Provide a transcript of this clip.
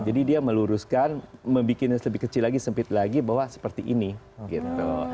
jadi dia meluruskan membuatnya lebih kecil lagi sempit lagi bahwa seperti ini gitu